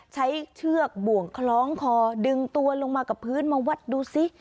เชือกบ่วงคล้องคอดึงตัวลงมากับพื้นมาวัดดูซิ